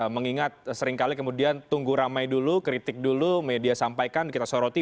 mengingat seringkali kemudian tunggu ramai dulu kritik dulu media sampaikan kita soroti